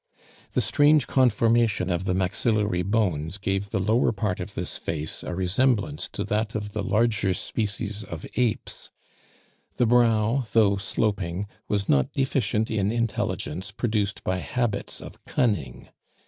The strange conformation of the maxillary bones gave the lower part of this face a resemblance to that of the larger species of apes. The brow, though sloping, was not deficient in intelligence produced by habits of cunning.